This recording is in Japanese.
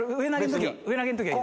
上投げの時はいいです。